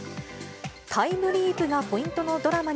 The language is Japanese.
タイムリープがポイントのドラマ